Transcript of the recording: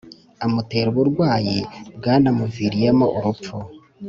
amutera uburwayi bwanamuviriyemo urupfu.